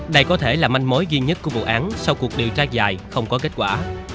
đây có thể là manh mối duy nhất của vụ án sau cuộc điều tra dài không có kết quả